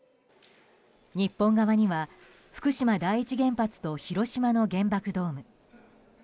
日本側には福島第一原発と広島の原爆ドーム。